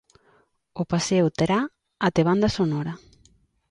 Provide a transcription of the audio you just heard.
O paseo terá até banda sonora.